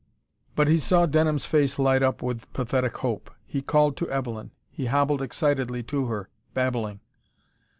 But he saw Denham's face light up with pathetic hope. He called to Evelyn. He hobbled excitedly to her, babbling....